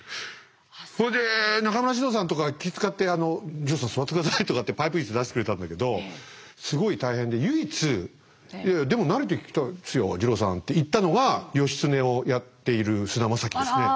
それで中村獅童さんとか気遣って「二朗さん座って下さい」とかってパイプ椅子出してくれたんだけどすごい大変で唯一「いやいやでも慣れてきたっすよ二朗さん」って言ったのが義経をやっている菅田将暉ですね。